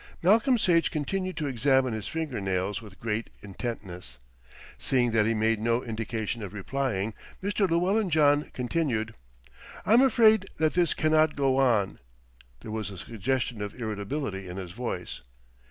Malcolm Sage continued to examine his finger nails with great intentness. Seeing that he made no indication of replying, Mr. Llewellyn John continued: "I'm afraid that this cannot go on." There was a suggestion of irritability in his voice.